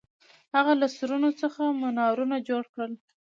هغه له سرونو څخه منارونه جوړ کړل.